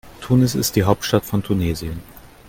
Tunis ist die Hauptstadt von Tunesien.